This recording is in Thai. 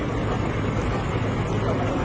มีอาหารอย่างเก่งน้อยขอบคุณครับ